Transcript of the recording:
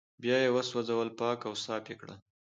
بيا يې وسوځول پاک او صاف يې کړل